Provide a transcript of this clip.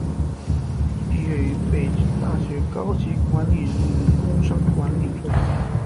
毕业于北京大学高级管理人员工商管理专业。